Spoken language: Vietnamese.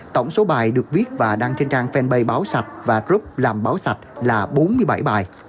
tổng số bài được viết và đăng trên trang fanpage báo sạch và group làm báo sạch là bốn mươi bảy bài